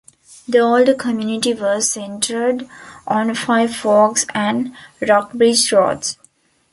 The older community was centered on Five Forks and Rockbridge Roads.